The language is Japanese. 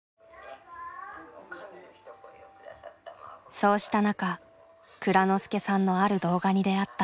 そうした中蔵之介さんのある動画に出会った。